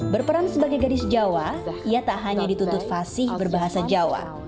berperan sebagai gadis jawa ia tak hanya dituntut fasih berbahasa jawa